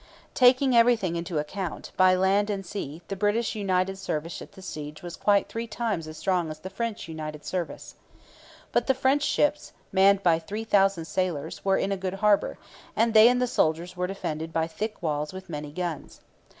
Taking everything into account, by land and sea, the British united service at the siege was quite three times as strong as the French united service. But the French ships, manned by three thousand sailors, were in a good harbour, and they and the soldiers were defended by thick walls with many guns.